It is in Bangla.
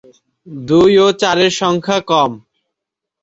দুই ও চারের সংখ্যা কম।